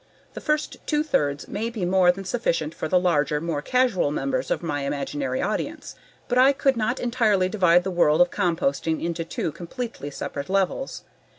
The first two thirds may be more than sufficient for the larger, more casual members of my imaginary audience. But I could not entirely divide the world of composting into two completely separate levels.